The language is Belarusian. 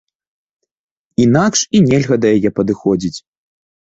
Інакш і нельга да яе падыходзіць.